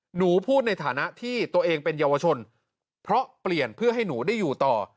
หนูพูดในฐานะที่ตัวเองเป็นเยาวชนเพราะเปลี่ยนเพื่อให้หนูได้อยู่ต่อ